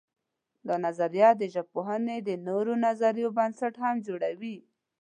دا نظریه د ژبپوهنې د نورو نظریو بنسټ هم جوړوي.